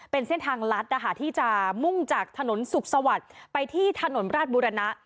เป็นเส้นทางลัดนะคะที่จะมุ่งจากถนนสุขสวัสดิ์ไปที่ถนนราชบุรณะ